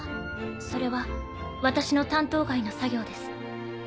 それは私の担当外の作業です。